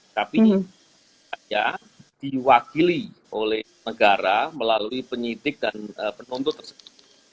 tapi saya diwakili oleh negara melalui penyidik dan penuntut tersebut